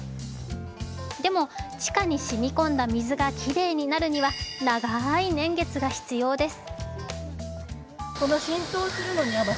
でも、地下にしみこんだ水がきれいになるには長い年月が必要です。